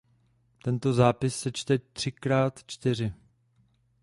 Tento zápis se čte „třikrát čtyři“.